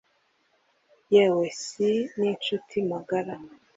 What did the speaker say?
yewe se ni ninshuti magara